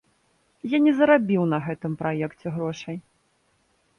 Я не зарабіў на гэтым праекце грошай.